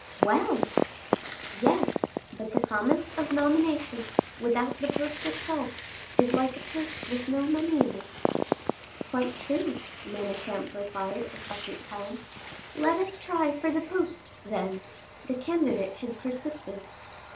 "Well!" "Yes; but the promise of nomination, without the post itself, is like a purse with no money in it." "Quite true," Manicamp replied a second time. "Let us try for the post, then," the candidate had persisted.